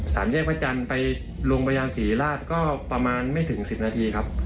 ซีราธิ์ก็ประมาณไม่ถึง๑๐นาทีครับ